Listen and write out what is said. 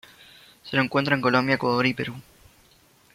Se lo encuentra en Colombia, Ecuador, y Perú.